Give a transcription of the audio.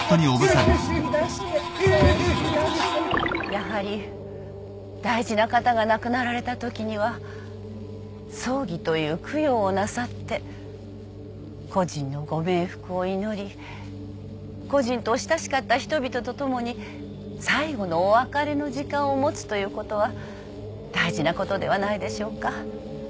やはり大事な方が亡くなられたときには葬儀という供養をなさって故人のご冥福を祈り故人とお親しかった人々と共に最後のお別れの時間を持つということは大事なことではないでしょうか。